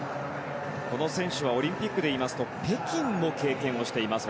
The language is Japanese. この選手はオリンピックでいいますと北京も経験しています。